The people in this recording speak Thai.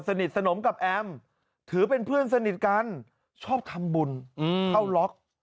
สนิทสนมกับแอมถือเป็นเพื่อนสนิทกันชอบทำบุญเข้าล็อก